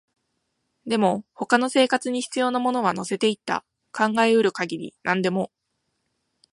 でも、他の生活に必要なものは乗せていった、考えうる限り何でも